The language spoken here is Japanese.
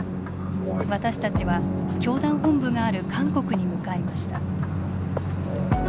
私たちは教団本部がある韓国に向かいました。